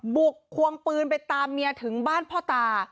ควงปืนไปตามเมียถึงบ้านพ่อตา